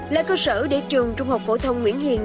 là cơ sở để trường trung học phổ thông nguyễn hiền